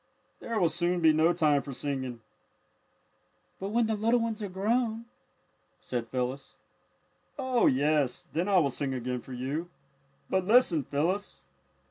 There will soon be no time for singing." "But when the little ones are grown " said Phyllis. "Oh, yes, then I will sing again for you. But listen, Phyllis!"